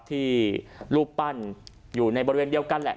ที่รูปปั้นอยู่ในบริเวณเดียวกันแหละ